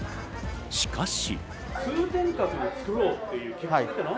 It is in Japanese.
しかし。